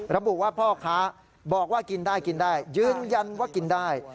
ระบุว่าพ่อค้าบอกว่ากินได้กินได้ยืนยันว่ากินได้